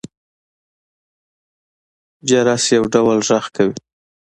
جرس يو ډول غږ کوي.